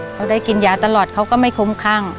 เขาได้กินยาตลอดเขาก็ไม่คุ้มคั่ง